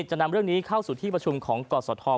จะนำเรื่องนี้เข้าสู่ที่ประชุมของกศธ